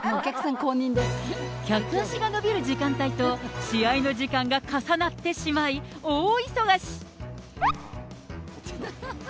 客足が伸びる時間帯と試合の時間が重なってしまい、大忙し。